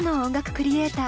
クリエイター